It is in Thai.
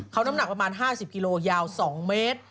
เขาน้ำหนักประมาณ๕๐กิโลยาว๒เมตร